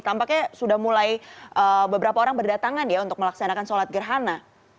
tampaknya sudah mulai beberapa orang berdatangan ya untuk melaksanakan sholat gerhana